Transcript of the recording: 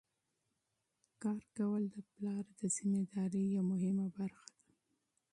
کار کول د پلار د مسؤلیت یوه مهمه برخه ده.